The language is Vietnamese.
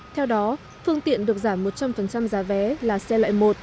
theo đó phương tiện được giảm một trăm linh giá vé là xe loại một